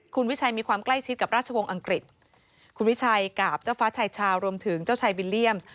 คุณวิชัยมีความใกล้ชิดกับราชวงศ์อังกฤษคุณวิชัยกับเจ้าฟ้าชายชาวรวมถึงเจ้าชายบิลเลี่ยม